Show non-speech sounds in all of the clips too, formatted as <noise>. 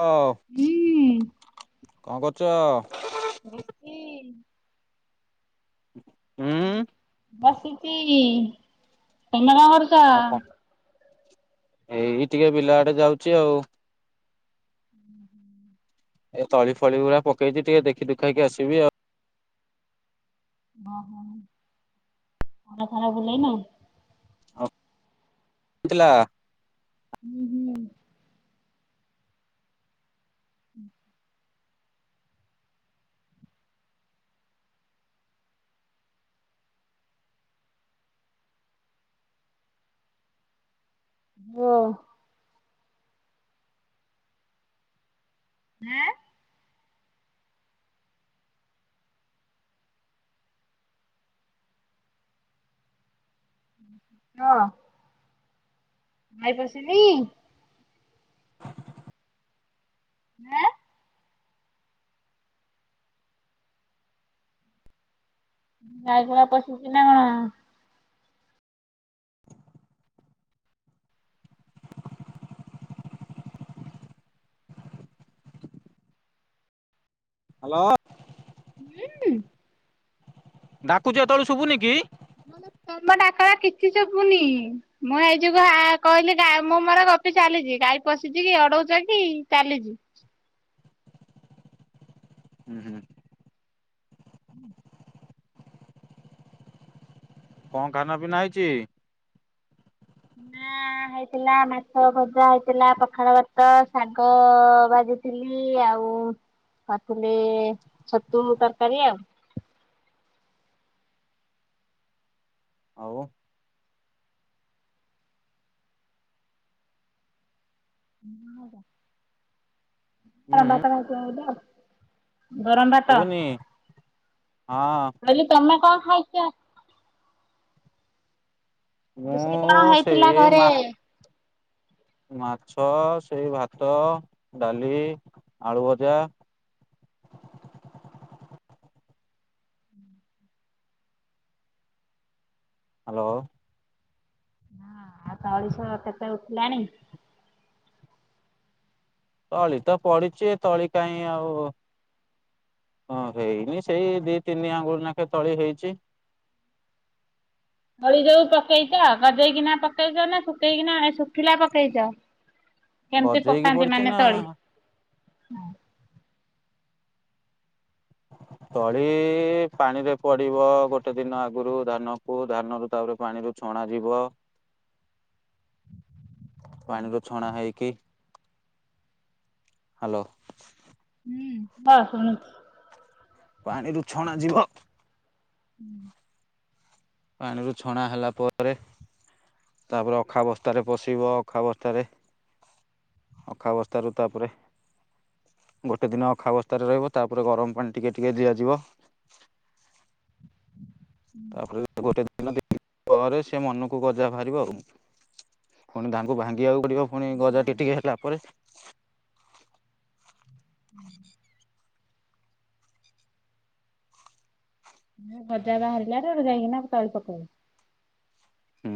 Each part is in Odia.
ହଁ ହୁଁ କଅ କରୁଚ ବସ୍ ଚି ବସ ବସିଚି କେମେରା କରୁଚି ଆଉ କଣ ଏଇ ଟିକେ ବିଲା ଆଡେ ଯାଉଛି ଆଉ <inaudible> ଏ ତଳି ଫଳି ଗୁଡା ପକେଇଛି ଟିକେ ଦେଖି ଦୁଖେଇକି ଆସିବି ଆଉ ଓହୋ ଖର ଖରା ବୁଲେଇନ ଓଉ ଥିଲା ହୁଁ ହୁଁ ହୁଁ <unintelligible> <unintelligible> <unintelligible> ଭାଇ ପସନି <inaudible> <unintelligible> ଗଈଗୁଆ ପଶୁ କିନା କଣ? ହ୍ୟାଲୋ <unintelligible> ଡାକୁଚଛି ଏତେବେଳୁ ଶୁଭୁନି କି? ମ ତମ ଡାକରା କିଛି ଯବୁନି। ମୁଁ ଏଇ ଯୁ କହିଲି ଗା ମୁଁ ମୋର ଗପି ଚାଲିଛି ଗାଈ ପଶିଛି କି ଅଡଉଛ କି ଚାଲିଛି। ହୁଁ ହୁଁ ହୁଁ କଣ ଖାନା ପିନା ହେଇଛି? ନା ହେଇଥିଲା ମାଛ ଭଜା ହେଇଥିଲା ପଖାଳ ଭାତ ଶାଗ ଭାଜି ଥିଲି ଆଉ କରିଥିଲି ଛତୁ ତରକାରୀ ଆଉ ଆଉ ହୁଁ <inaudible> ଗରମ ଭାତ ଶୁବୁନି, ହଁ। କଇଲି ତମେ କଣ ଖାଇଛ? ଦୁଷିଲି କଣ ମୁଁ ହେଇଥିଲା ସେଇ ଘରେ? ମା ମାଛ, ସେଇ ଭାତ, ଡାଲି, ଆଳୁ ଭଜା। ହ୍ୟାଲୋ। ହଁ ଆଉ ତ ଅଳିଶ କେତେ ଉଠିଲାଣି? ତଳି ତ ପଡିଛି ତଳି କାହିଁ ଆଉ ହଁ ହେଇନି ସେଇ ଦି ତିନି ଆଙ୍ଗୁଳି ନେଖେ ତଳି ହେଇଛି। ହଳି ଯୋଉ ପକେଇଛ ଗଜେଇକିନା ପକେଇଛ ନା ଶୁଖେଇକିନା ଶୁଖିଲା ପକେଇଛ? କେମିତି ଗଜେଇକି ପକାନ୍ତି ପଡିଛି ମାନେ ନା ତଳି? ତଳି ପାଣିରେ ପଡିବ ଗୋଟେ ଦିନ ଆଗରୁ ଧାନକୁ ଧାନ ର ତାପରେ ପାଣିରୁ ଛଣାାଯିବ ପାଣି ରୁ ଛଣା ହେଇକି ହ୍ୟାଲୋ। ହୁଁ ବା ଶଣୁଚି। ପାଣିରୁୁ ଛଣା ଯିବ ପାଣିରୁ ଛଣା ହେଲା ପରେ ତାପରେ ଅଖାବସ୍ତାରେ ପଶିବ ଅଖାବସ୍ତାରେ ଅଖା ବସ୍ତା ରୁ ତାପରେ ଗୋଟେ ଦିନ ଅଖା ବସ୍ତା ରେ ରହିବ ତାପରେ ଗରମ ପାଣି ଟିକେ ଟିକେ ଦିଆଯିବ। ତାପରେ ଗୋଟେ ଦିନ ପରେ ସେ ମନକୁ ଗଜା ବାହାରିବ ଆଉ। ପୁଣି ଧାନକୁ ଭାଙ୍ଗିବାକୁ ପଡିବ ପୁଣି ଗଜା ଟି ଟିକେ ହେଲା ପରେ। ଗଜା ବାହାରିଲା ର ଯାଇକିନା ତଳି ପକେଇବ। ହୁଁ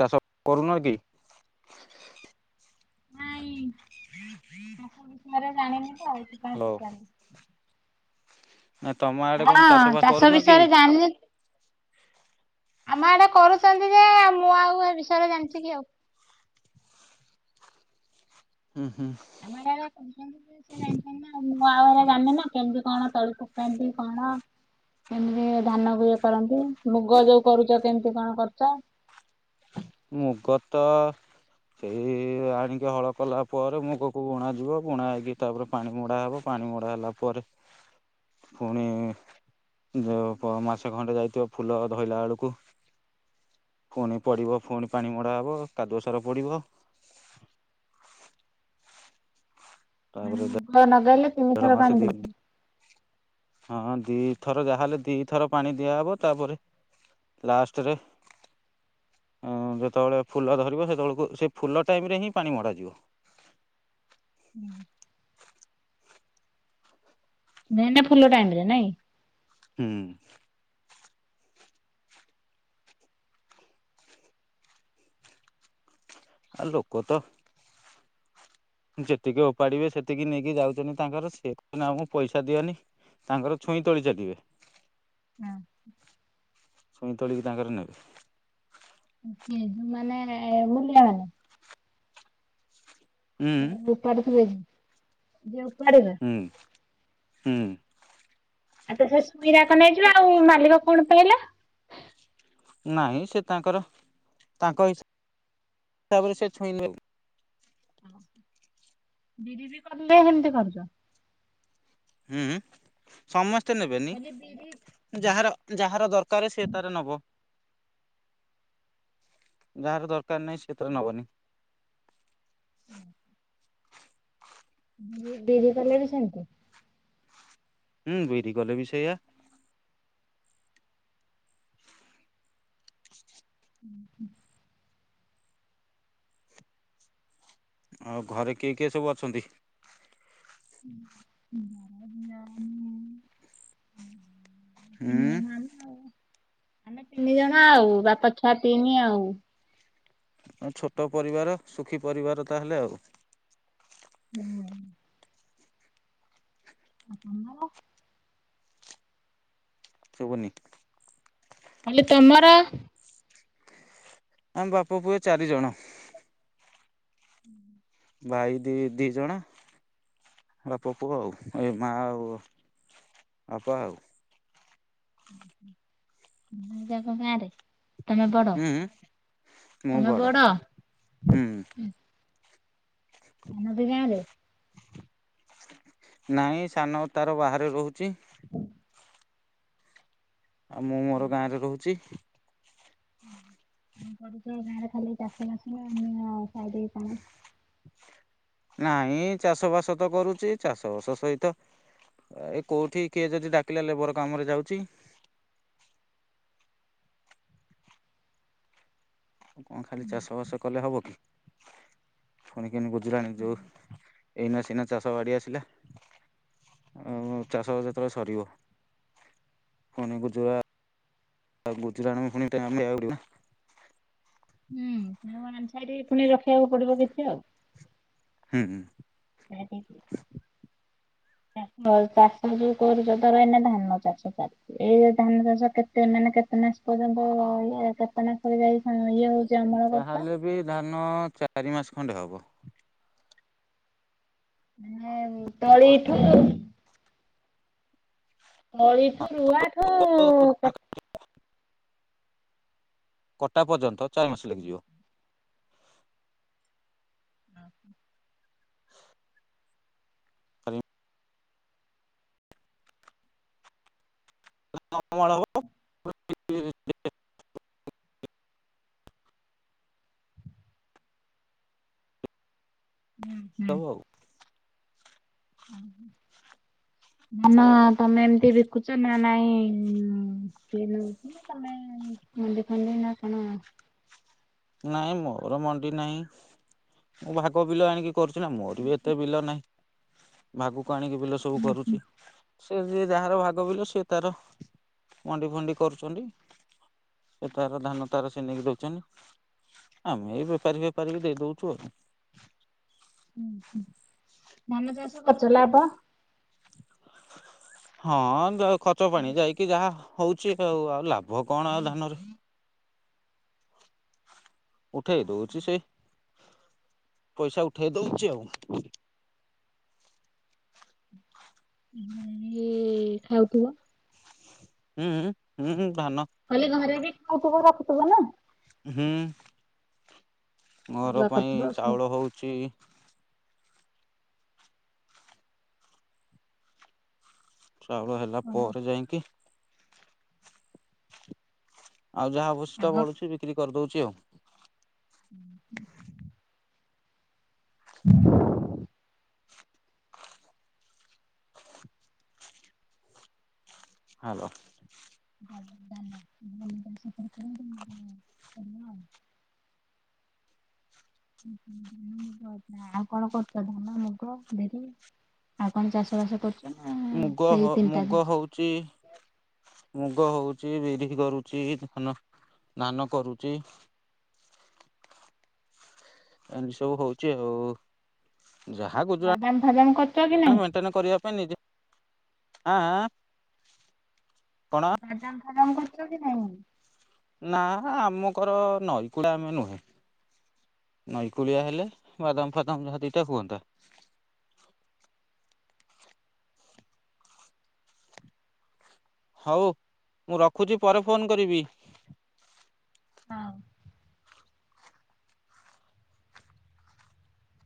ଚାଷ କରୁନ କି? <inaudible> ଘରେ ଜାଣିନି ତ ଏଇଥିପାଇଁ ହାଲୋ ପଚାରିଲି। ହଁ ତମ ଆଡେ କଣ ହଁ, ବାସ ଚାଷ କରୁନ କି? ବିଷୟରେ ଜାଣି ଆମ ଆଡେ କରୁଛନ୍ତି ଯେ, ମୁଁ ଆଉ ଏ ବିଷୟରେ ଜାଣିଚି କି ଆଉ? ହୁଁ ହୁଁ। ଆମେ ଯାହା ଡାକୁ ସନ ଆଉ ଦଜଣିଈନ <unintelligible> ମୁଁ ଆ ଘରେ ଜାଣିନ କେମିତି କଣ ତଳକୁମତି କଣ? ଏମିତି ଧାନକୁ ଇଏ କରନ୍ତି, ମୁଗ ଯୋଉ କରୁଛ, କେମିତି କଣ କରୁଛ? ମୁଗ ତ ସେଇ ଆଣିକି ହଳ କଲା ପରେ ମୁଗକୁ ବୁଣାଯିବ। ବୁଣା ହେଇକି, ତା'ପରେ ପାଣି ମଡ଼ା ହେବ। ପାଣି ମଡା ହେଲା ପରେ ଫୁଣୀ ଯଉ ମାସେ ଖଣ୍ଡେ ଯାଇଥିବ, ଫୁଲ ଧଇଲା ଅଳକୁ ପୁଣି ପଡିବ। ପୁଣି ପାଣି ମଡା ହବ। କାଦୁଅ ସାର ପଡିବ। ତା'ପରେ ଯା ନ ନଗେଲେ ଦେଢ଼ମାସ ଦି ହଁ, ଦିଇଥର ଯାହାହେଲେ ଦି ଥର ପାଣି ଦିଆହେବ। ତା'ପରେ ଲାଷ୍ଟରେ ଅଁ ଯେତେବେଳେ ଫୁଲ ଧରିବ, ସେତେବେଳକୁ ସେ ଫୁଲ ଟାଇମ୍ରେ ହିଁ ପାଣି ମଡ଼ାଯିବ। ହୁଁ। ମେନ୍ ନେ ଫୁଲ ଟାଇମ୍ ରେ ନାଇଁ? ହୁଁ। ଆ ଲୋକ ତ ଯେତିକି ଓପାଡିବେ, ସେତିକି ନେଇକି ଯାଉଛନି ତାଙ୍କର। ସେ କ ଆଉଁ ପଇସା ଦିଅନି। ତାଙ୍କର ଛୁଇଁ ତୋଳି ଚାଲିବେ। ହୁଁ। ଛୁଇଁ ତୋଳିକି ତାଙ୍କର ନେବେ। ହୁଁ, ମାନେ ମୂଲିଆ ମାନେ? ହୁଁ ଉପଡୁଥିଲେ ଯିଏ, ଯିଏ ଉପାଡ଼ିବେ? ହୁଁ ହୁଁ। ଆ ତ ସେ ସୁଇରା କ ନେଇଯିବ ଆଉ। ମାଲିକ କଣ ପାଇଲା? ନାଇଁ, ସେ ତାଙ୍କର ତାଙ୍କ ହିସା ହିସାବରେ ସେ ଛୁଇଁ ନେଉ। ବିରି ବି କରିଲେ ହେମତି କରୁଛ? ହୁଁ, ସମସ୍ତେ ନେବେନି। କହିଲି ବିରି ଯାହାର ଯାହାର ଦରକାର, ସେ ତାର ନବ। ଯାହାର, ଦରକାର ନାହିଁ, ସିଏତ ନବନି। ହୁଁ। ବିରି କଲେ ବି ସେମିତି! ହୁଁ, ବରି କଲେ ବି ସେଇଆ। ଉ ହୁଁ। ଆଉ, ଘରେ କିଏ କିଏ ସବୁ ଅଛନ୍ତି? ହୁଁ ତିନିଜନ ଆଳୁ ଆମେ ତିନି ଜଣ ଆଉ, ବାପ ଛୁଆ ତିନି ଆଉ। ଆ, ଛୋଟ ପରିବାର ସୁଖୀ ପରିବାର ତାହେଲେ, ଆଉ। ହୁଁ। <inaudible> ଶୁବୁନି? ହାଲୋ ତମର ଆମ ବାପ ପୁଏ ଚାରିଜଣ। ହୁଁ। ଭାଇ ଦି, ଦି ଜଣ। ବାପ ପୁଅ ଆଉ। ଏ ମା ଆଉ, ବାପ ଆଉ। ଉଁହୁଁ। ଉଁ ଯାକ ଗାଁରେ ତମେ ବଡ ହୁଁ ମୁଁ ତମେ ବଡ଼ ବଡ? ହୁଁ। ଆମ ଦି ଗାଁରେ। ନାହିଁ ସାନ ତାର ବାହାରେ ରହୁଚି। ଆଉ ମୁଁ ମୋର ଗାଁରେ ରହୁଚି। ଉଁ କରିଚ ଗାଁରେ ଖାଲି ଚାଷବାସ ନା ଆମ ଗାଁ ସାଇରେ ନାଇଁ ଚାଷବାସ ତ କରୁଚି ଚାଷବାସ ସହିତ ଏ କୋଉଠି କିଏ ଯଦି ଡାକିଲେ ଲେବର କାମରେ ଯାଉଚି। ଆଉ କଣ ଖାଲି ଚାଷବାସ କଲେ ହବ କି ଫୁଣି କେନି ଗୁଜୁରାଣ ଯୋଉ ଏଇନା ସିନା ଚାଷ ଗାଡି ଆସିଲା। ଆଉ ଚାଷ ବାସ ଯେତୋଳେ ସରିବ ପୁଣି ଗୁଜୁରା ଅ ଗୁଜୁରାଣକୁ ଫୁଣି ଟାଇମ ଦବାକୁ ପଡିବନା। ହୁଁ ସେ ୱାନ୍ ସାଇଡି ପୁଣି ରଖିବାକୁ ପଡିବ କିଛି ଆଉ। ହୁଁଁ। <unintelligible> <unintelligible> ଚାଷ ଯୋଉ କରୁଚ <unintelligible> ଏନା ଧାନଚାଷ ଚାଲି ଏଇ ଯୋଉ ଧାନ ଚାଷ କେତେ ମାନେ କେତେ ମାସ ପର୍ଯ୍ୟନ୍ତ ଇଏ କେତେ ମାସରେ ଯାଇ ଫୁଣି ଇଏ ହୋଉ ଯାହାହେଲେ ବି ଧାନ ଚାରିମାସ ଖଣ୍ଡେ ହବ। <unintelligible> ତଳିଠୁ ଅଳିଠୁ ରୁଆଠୁ କ କଟା ପର୍ଯ୍ୟନ୍ତ ଚାରି ମାସ ଲାଗିଯିବ। ଆଉ ହଁ। ଚାରି <unintelligible> ହବ। <unintelligible> ଉଁହୁଁ ହବ ଆଉ। ଓହୋ। ନା ନା ତମେ ଏମତି ବିକୁଚ ନା ନାଇଁ ଉଁ କିଏ ନୋଉଚି ନା ତମେ ଏ ମନ୍ଦିଫନ୍ଦି ନା କଣ? ନାଇଁ ମୋର ମଣ୍ଡି ନାହିଁ ମୁଁ ଭାଗ ବିଲ ଆଣିକି କରୁଚି ନା ମୋର ବି ଏତେ ବିଲ ନାହିଁ ଭାଗକୁ ଆଣିକି ବିଲ ସବୁ ହୁଁ କରୁଚି। ସେ ଯିଏ ଯାହାର ଭାଗ ବିଲ ସିଏ ତାର ମଣ୍ଡି ଫଣ୍ଡି କରୁଚନ୍ତି। ସେ ତାର ଧାନ ତାର ସେ ନେଇକି ରୋଉଚନ୍ତି। ଆମେ ଏଇ ବେପାରୀ ଫେପାରୀ କି ଦେଇଦୋଉଚୁ ଆଉ। ଉଁ ହୁଁ ଧାନଚାଷ କରୁଚ ଲାଭ ହଁ ଦେହ ଖର୍ଚ୍ଚ ପାଣି ଘରେ ଯାଇକି ଯାହା ହୋଉଚି ଆଉ ଆଉ ଲାଭ କଣ ଆଉ ଧାନରେ। ଉଠେଇ ଦୋଉଚି ସେଇ ପଇସା ଉଠେଇ ଦୋଉଚି ଆଉ। ହୁଁ ଇଏ ଖାଉଥୁବ। ଉଁ ଉଁ ଉଁ ଧାନ କହିଲି ଘରେ ବି ଖାଉଥୁବ ରଖୁଥୁବ ନା? ହୁଁ ଘର ଅରୁଆ ପାଇଁ କରୁଥିବ ଚାଉଳ ହୋଉଚି। ଚାଉଳ ହେଲା ପରେ ଯାଇଁକି ଆଉ ଯାହା ଆବଶ୍ୟତା ଆଗ ବଢୁଚି ବିକ୍ରି କରିଦୋଉଚି ଆଉ। ଉଁହୁଁ। ହ ହାଲୋ। <inaudible> ଓହୋ ଧାନ, ମୁଗ, ଯା ଆଉ କଣ କରୁଚ ଧାନ, ମୁଗ, ବିରି ଆଉ କଣ ଚାଷବାସ କରୁ ମୁଗ ହ ମୁଗ ହଉଚି। ମୁଗ ହଉଚି ବିରି କରୁଚି ଧାନ ଧାନ କରୁଚି। ଏମତି ସବୁ ହଉଚି ଆଉ ଯାହା ବାଦାମ ଫାଦାମ କରୁଛ କି ଗୁଜୁରାଣ ନାଇଁ? ମେନ୍ ଟେନେ କରିବା ପାଇଁ ନିଜେ ଆଁ ଆଁ କଣ ବାଦାମ୍ ଫାଦାମ୍ କରୁଚନ୍ତି ନା ନାଇଁ? ନା ଆମ ଗର ନଈ କୂଳେ ଆମେ ନୁହେଁ। ନଈକୂଳିଆ ହେଲେ ବାଦାମ୍ ଫାଦାମ୍ ଯାହା ଦିଇଟା ହୁଅନ୍ତା। ହଉ ମୁଁ ରଖୁଚି ପରେ ଫୋନ୍ କରିବି। ହଁ।